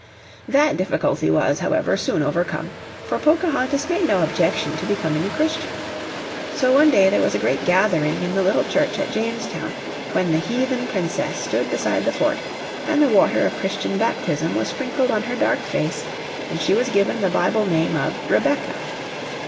That difficulty was, however, soon overcome. For Pocahontas made no objection to becoming a Christian. So one day there was a great gathering in the little church at Jamestown when the heathen princess stood beside the fort, and the water of Christian baptism was sprinkled on her dark face, and she was given the Bible name of Rebecca.